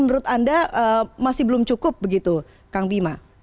menurut anda masih belum cukup begitu kang bima